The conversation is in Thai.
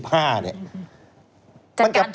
จัดการทุกอย่าง